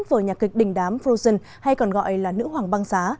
vở nhạc kịch đình đám hay còn gọi là nữ hoàng băng giá